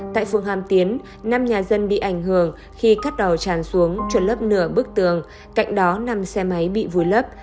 tại phường hàm tiến năm nhà dân bị ảnh hưởng khi cát đỏ tràn xuống chuột lấp nửa bức tường cạnh đó năm xe máy bị vùi lấp